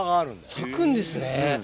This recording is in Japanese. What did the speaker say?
咲くんですね。